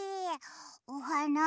おはな